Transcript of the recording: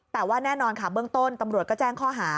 แต่ว่าแน่นอนค่ะเบื้องต้นตำรวจก็แจ้งข้อหา